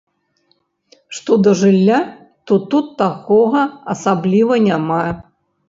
Што да жылля, то тут такога асабліва няма.